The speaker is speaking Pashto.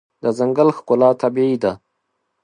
د ځنګل ښکلا طبیعي ده.